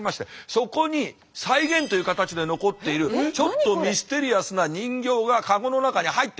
そこに再現という形で残っているちょっとミステリアスな人形が籠の中に入ってます。